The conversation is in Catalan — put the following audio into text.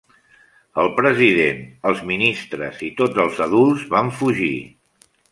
El president, els ministres i tots els adults van fugir.